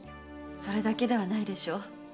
それだけではないでしょう。